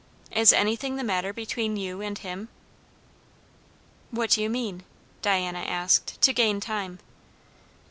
Is anything the matter between you and him?" "What do you mean?" Diana asked, to gain time.